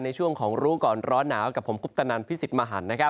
ในช่วงของรู้ก่อนร้อนหนาวกับผมคุปตนันพิสิทธิ์มหัน